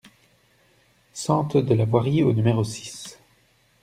Sente de la Voirie au numéro six